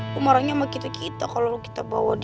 lo marahnya sama kita kita kalo kita bawa dia